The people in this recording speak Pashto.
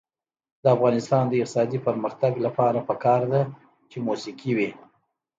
د افغانستان د اقتصادي پرمختګ لپاره پکار ده چې موسیقي وي.